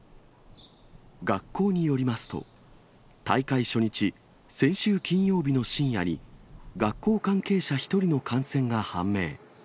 学校によりますと、大会初日、先週金曜日の深夜に、学校関係者１人の感染が判明。